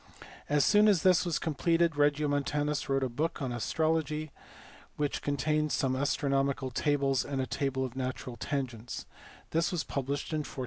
As soon as this was completed Regiomontanus wrote a work on astrology, which contains some astronomical tables and a table of natural tangents: this was published in 1490.